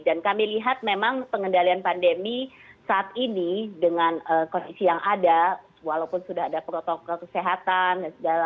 dan kami lihat memang pengendalian pandemi saat ini dengan kondisi yang ada walaupun sudah ada protokol kesehatan